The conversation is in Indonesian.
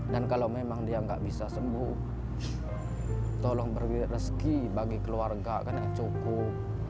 dan kalau memang dia gak bisa sembuh tolong beri rezeki bagi keluarga kan yang cukup